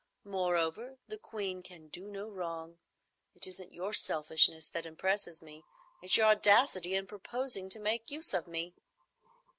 Moreover the Queen can do no wrong. It isn't your selfishness that impresses me. It's your audacity in proposing to make use of me."